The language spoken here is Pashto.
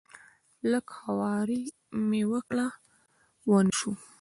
لږه خواري مې وکړه ونه شو.